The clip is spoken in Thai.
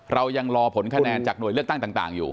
เรายังรอผลคะแนนจากหน่วยเลือกตั้งต่างอยู่